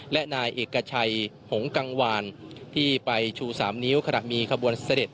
และนายเอกชัยหงกังวานที่ไปชู๓นิ้วขณะมีขบวนเสด็จ